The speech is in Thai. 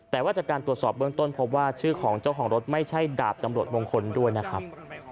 แต่ว่าจากการตรวจสอบเบื้องต้นพบว่าชื่อของเจ้าของรถไม่ใช่ดาบตำรวจมงคลด้วยนะครับ